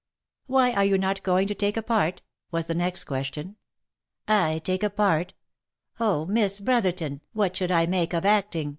" Why are you not going to take a part ?" was the next question. "I take a part! Oh! Miss Brotherton what should I make of acting?"